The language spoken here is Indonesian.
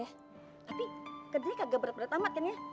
tapi kedelai kagak berat berat amat kan ya